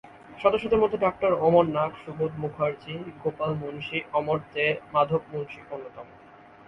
সদস্যদের মধ্যে ডাক্তার অমর নাগ, সুবোধ মুখার্জী, গোপাল মুন্সী, অমর দে, মাধব মুন্সী অন্যতম।